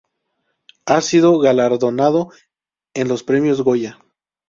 Ha sido galardonado en los Premios Goya.